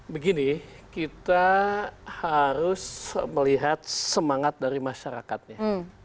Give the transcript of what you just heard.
begini kita harus melihat semangat dari masyarakatnya